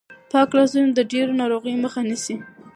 پاک لاسونه د ډېرو ناروغیو مخه نیسي.